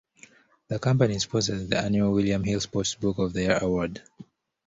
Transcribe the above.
The company sponsors the annual William Hill Sports Book of the Year award.